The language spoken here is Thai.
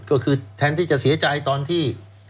ก็คือแทนที่จะเสียใจตอนที่